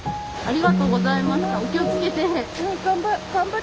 ありがとうございます。